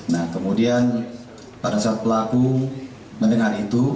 nah kemudian pada saat pelaku mendengar itu